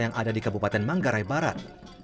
yang ada di kabupaten manggarai barat